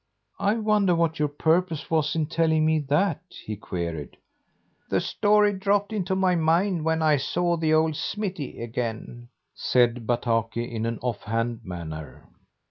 "I wonder what your purpose was in telling me that?" he queried. "The story dropped into my mind when I saw the old smithy again," said Bataki in an offhand manner.